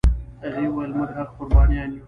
هغه ویل موږ هغه قربانیان یو.